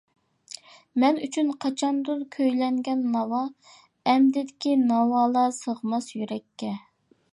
مەن ئۈچۈن قاچاندۇر كۈيلەنگەن ناۋا، ئەمدىكى ناۋالار سىغماس يۈرەككە.